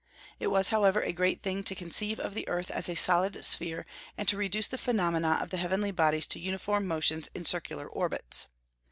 It was however a great thing to conceive of the earth as a solid sphere, and to reduce the phenomena of the heavenly bodies to uniform motions in circular orbits.